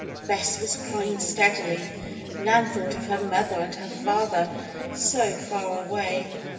Bess was crying steadily. Nan thought of her mother and her father, so far away.